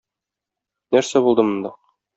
Нәрсә булды монда?